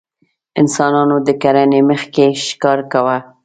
انسانانو د کرنې مخکې ښکار کاوه.